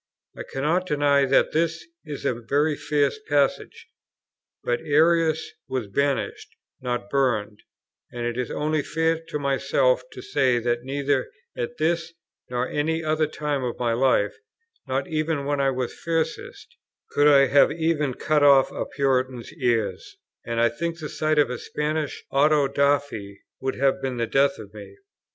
I cannot deny that this is a very fierce passage; but Arius was banished, not burned; and it is only fair to myself to say that neither at this, nor any other time of my life, not even when I was fiercest, could I have even cut off a Puritan's ears, and I think the sight of a Spanish auto da fè would have been the death of me.